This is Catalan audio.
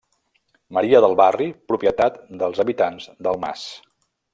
Maria del Barri, propietat dels habitants del mas.